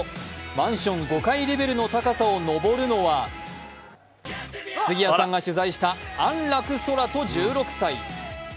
マンション５階レベルの高さを登るのは杉谷さんが取材した安楽宙斗１６歳。